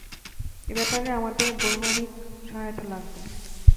এ ব্যাপারে আমাদের বৈমানিক সহায়তা লাগবে।